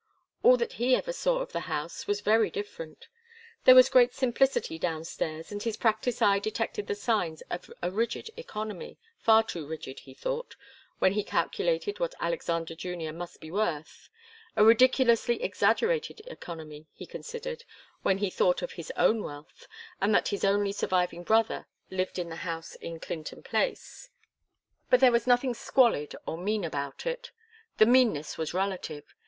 All that he ever saw of the house was very different. There was great simplicity downstairs, and his practised eye detected the signs of a rigid economy far too rigid, he thought, when he calculated what Alexander Junior must be worth; a ridiculously exaggerated economy, he considered, when he thought of his own wealth, and that his only surviving brother lived in the house in Clinton Place. But there was nothing squalid or mean about it all. The meanness was relative.